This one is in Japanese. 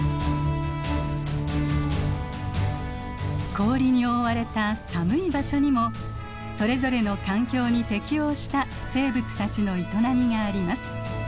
氷に覆われた寒い場所にもそれぞれの環境に適応した生物たちの営みがあります。